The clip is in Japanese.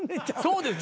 そうです